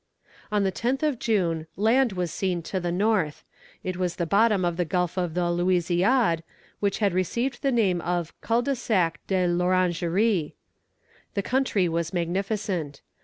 On the 10th of June land was seen to the north. It was the bottom of the Gulf of the Louisiade, which had received the name of Cul de sac de l'Orangerie. The country was magnificent.